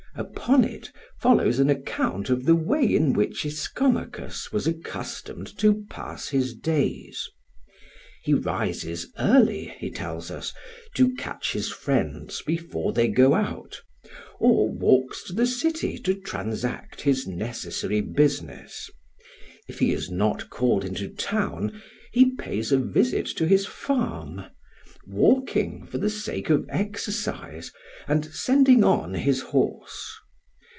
Upon it follows an account of the way in which Ischomachus was accustomed to pass his days. He rises early, he tells us, to catch his friends before they go out, or walks to the city to transact his necessary business. If he is not called into town, he pays a visit to his farm, walking for the sake of exercise and sending on his horse.